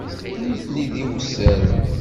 Nitni d iwessaren.